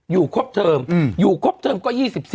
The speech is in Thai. อยู่ครบเทอมอยู่ครบเทอมก็๒๔